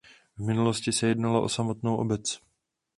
V minulosti se jednalo o samostatnou obec.